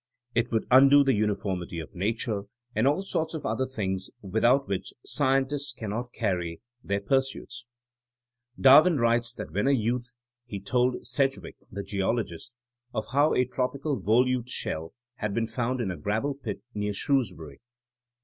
It would undo the uni formity of nature, and all sorts of other things without which scientists cannot carry on their THINEINa AS A SCIENCE 113 pursuits. ''^ Darwin writes that when a youth he told Sedgwick the geologist of how a tropical Volute shell had been found in a gravel pit near Shrewsbury.